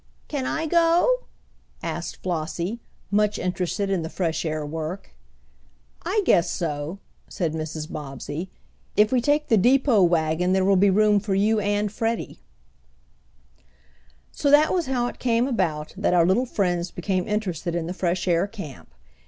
"Can I go?" asked Flossie, much interested in the fresh air work. "I guess so," said Mrs. Bobbsey. "If we take the depot wagon there will be room for you and Freddie." So that was how it came about that our little friends became interested in the fresh air camp.